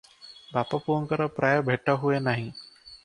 ବାପ ପୁଅଙ୍କର ପ୍ରାୟ ଭେଟ ହୁଏ ନାହିଁ ।